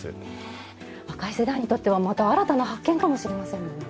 若い世代にとってはまた新たな発見かもしれませんもんね。